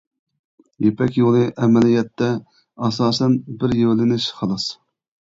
يىپەك يولى ئەمەلىيەتتە ئاساسەن بىر يۆنىلىش، خالاس.